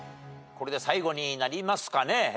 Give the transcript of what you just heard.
これで最後になりますかね。